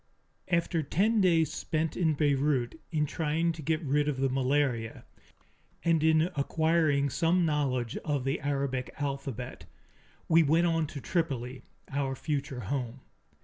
After ten days spent in Beirut in trying to get rid of the malaria and in acquiring some knowledge of the Arabic alphabet, we went on to Tripoli, our future home.